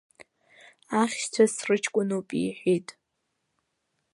Ахьшьцәа срыҷкәынуп, иҳәит.